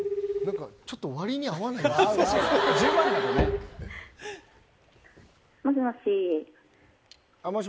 ちょっと割に合わないな。もしもし？